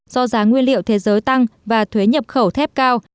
do giá nguyên liệu thế giới tăng và thuế nhập khẩu thép cao